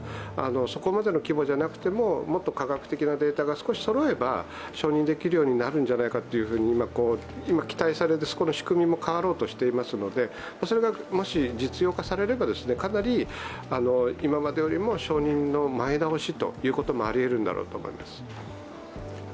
そこまでの規模じゃなくても、もっと科学的なデータが少しそろえば承認できるようになるんじゃないかと今、期待されて、そこの仕組みも変わろうとしていますので、それがもし実用化されれば、今までよりも承認の前倒しもありえるんだろうと思います。